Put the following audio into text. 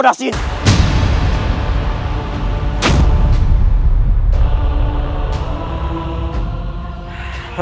dan menangkan mereka